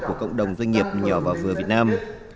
của cộng đồng doanh nghiệp nhỏ và vừa việt nam